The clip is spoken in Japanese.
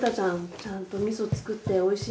ちゃんとみそ作っておいしい